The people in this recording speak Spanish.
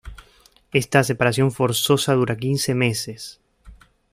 Esta separación forzosa dura quince meses.